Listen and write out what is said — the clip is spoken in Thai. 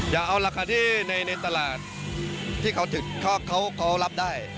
อยากเอาราคาที่ในตลาดที่เขาถึงเขารับได้